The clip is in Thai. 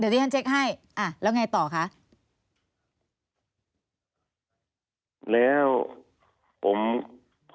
เดี๋ยวดิฮันเจ็คให้อ่ะแล้วไงต่อคะ